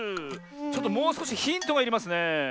ちょっともうすこしヒントがいりますねえ。